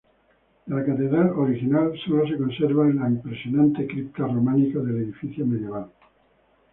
De la catedral original, sólo se conserva la impresionante cripta románica del edificio medieval.